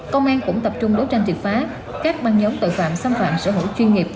công an cũng tập trung đấu tranh triệt phá các băng nhóm tội phạm xâm phạm sở hữu chuyên nghiệp